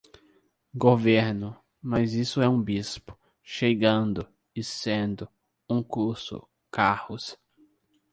governo, mas isso é um bispo, chegando, e sendo, um curso, carros